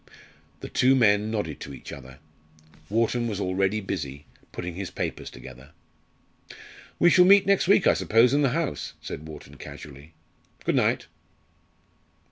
The two men nodded to each other. Wharton was already busy, putting his papers together. "We shall meet next week, I suppose, in the House?" said Wharton, casually. "Good night."